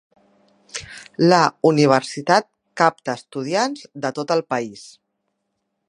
La universitat capta estudiants de tot el país.